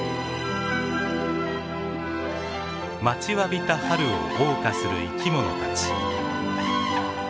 待ちわびた春をおう歌する生き物たち。